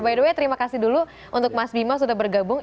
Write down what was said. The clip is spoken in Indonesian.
by the way terima kasih dulu untuk mas bima sudah bergabung